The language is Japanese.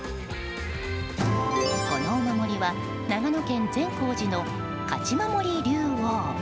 このお守りは、長野県善光寺の勝守龍凰。